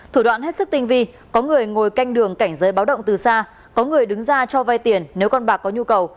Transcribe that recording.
thủ đoạn hết sức tinh vi có người ngồi canh đường cảnh giới báo động từ xa có người đứng ra cho vay tiền nếu con bạc có nhu cầu